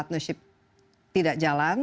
ternyata juga tpp tidak jalan